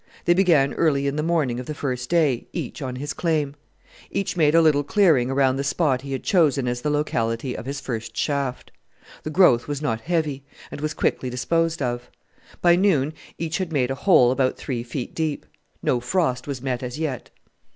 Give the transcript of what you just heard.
They began early in the morning of the first day, each on his claim. Each made a little clearing around the spot he had chosen as the locality of his first shaft. The growth was not heavy, and was quickly disposed of. By noon each had made a hole about three feet deep. No frost was met as yet.